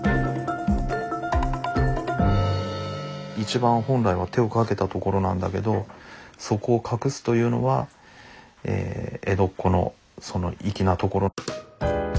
一番本来は手をかけたところなんだけどそこを隠すというのは江戸っ子のその粋なところ。